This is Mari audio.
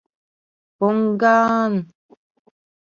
— Поҥга-а-н!